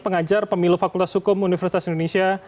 pengajar pemilu fakultas hukum universitas indonesia